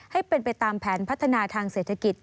ให้เป็นไปตามแผนพัฒนาทางเศรษฐกิจ